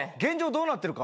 どうなってるか。